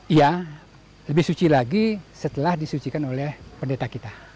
iya lebih suci lagi setelah disucikan oleh pendeta kita